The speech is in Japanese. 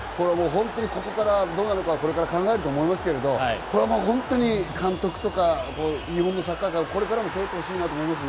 ここからどうなるか、ここから考えると思いますが本当に監督とか日本のサッカー界をこれからも背負ってほしいと思います。